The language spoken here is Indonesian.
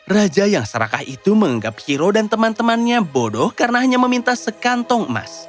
raja yang serakah itu menganggap hero dan teman temannya bodoh karena hanya meminta sekantong emas